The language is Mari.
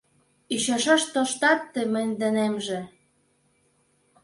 «Ӱчашаш тоштат тый мый денемже